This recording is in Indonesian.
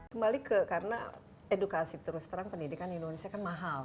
kembali ke karena edukasi terus terang pendidikan di indonesia kan mahal